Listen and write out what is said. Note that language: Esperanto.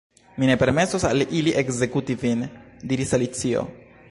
"Mi ne permesos al ili ekzekuti vin," diris Alicio.